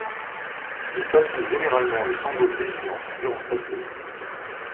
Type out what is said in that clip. Il patrouille généralement le champ gauche des Giants durant cette saison.